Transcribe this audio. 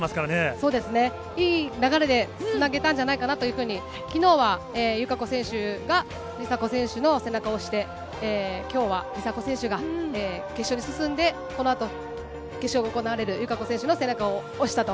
そうですね、いい流れでつなげたんじゃないかなというふうに、きのうは友香子選手が梨紗子選手の背中を押して、きょうは梨紗子選手が決勝に進んで、このあと決勝が行われる友香子選手の背中を押したと。